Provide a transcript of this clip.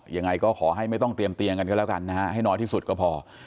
ยังไงก็ขอให้ไม่ต้องเตรียมเตียงกันก็แล้วกันนะฮะให้น้อยที่สุดก็พอ